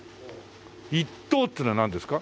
１等っていうのはなんですか？